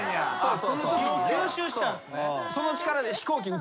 火を吸収しちゃうんすね。